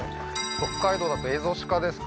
北海道だとエゾシカですか？